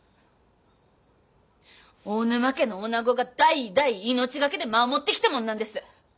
大沼家のおなごが代々命懸けで守ってきたもんなんです。